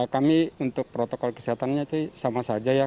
kami untuk protokol kesehatannya itu sama saja ya